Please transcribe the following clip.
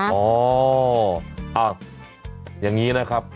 อ๋ออย่างนี้นะครับ